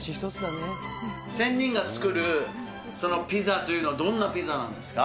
仙人が作るそのピザというのは、どんなピザなんですか？